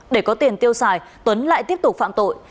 để có tiền tiêu xài tuấn lại tiếp tục phạm tội